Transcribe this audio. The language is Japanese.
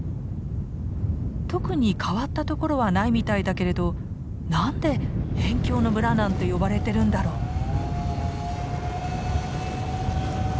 特に変わったところはないみたいだけれど何で辺境の村なんて呼ばれてるんだろう？